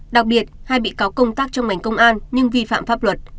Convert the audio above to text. đặc biệt hai bị cáo công tác trong ngành công an nhưng vi phạm pháp luật